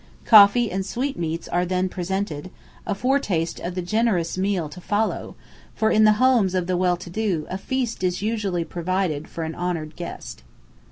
Coffee and sweet meats are then presented, a foretaste of the generous meal to follow, for in the homes of the well to do a feast is usually provided for an honoured guest.